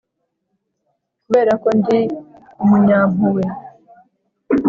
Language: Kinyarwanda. kuberako ndi imunyampuwe